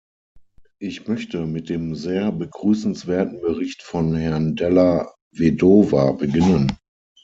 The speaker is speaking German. Ich möchte mit dem sehr begrüßenswerten Bericht von Herrn Della Vedova beginnen.